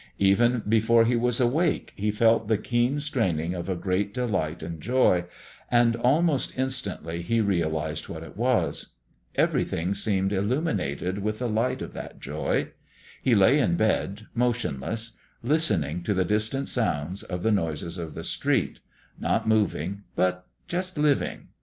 Even before he was awake he felt the keen straining of a great delight and joy, and almost instantly he realized what it was. Everything seemed illuminated with the light of that joy. He lay in bed motionless, listening to the distant sounds of the noises of the street not moving, but just living.